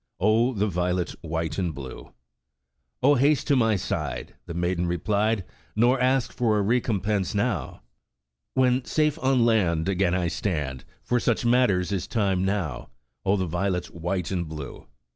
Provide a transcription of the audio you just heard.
Oh, the violet, white and blue ! *0h! haste to my side,' The maiden replied, *Nor ask for a recompense now; 110 By Canoe Through the Great Lakes When safe on land, Again I stand, For such matters is time enow.' Oh, the violet, white and blue!